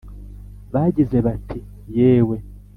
bagize bati: yewe